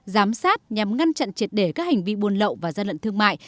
giám sát nhằm ngăn chặn triệt để các hành vi buôn lậu và gian lận thương mại